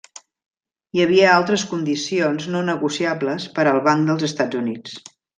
Hi havia altres condicions no negociables per al Banc dels Estats Units.